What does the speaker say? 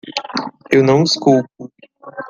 Eu não os culpo.